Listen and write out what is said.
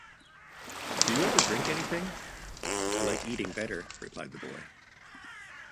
'Do you ever drink anything?’ ‘I like eating better,’ replied the boy.